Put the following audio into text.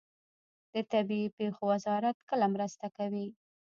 د طبیعي پیښو وزارت کله مرسته کوي؟